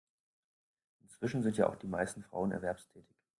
Inzwischen sind ja auch die meisten Frauen erwerbstätig.